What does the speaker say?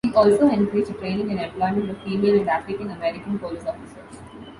He also encouraged the training and employment of female and African American police officers.